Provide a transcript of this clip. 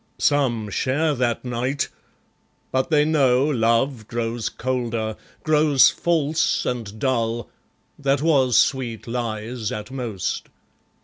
Some share that night. But they know love grows colder, Grows false and dull, that was sweet lies at most.